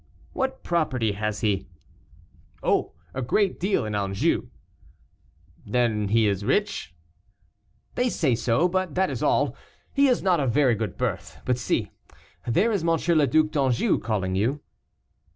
"What property has he?" "Oh! a great deal in Anjou." "Then he is rich?" "They say so, but that is all; he is not of very good birth. But see, there is M. le Duc d'Anjou calling to you."